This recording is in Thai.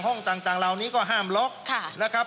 ห้องต่างเหล่านี้ก็ห้ามล็อกนะครับ